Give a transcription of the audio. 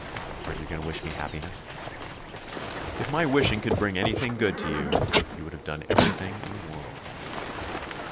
"Aren't you going to wish me happiness?" "If my wishing could bring anything good to you, you would have everything in the world."